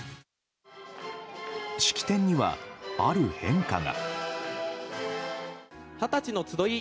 式典にはある変化が。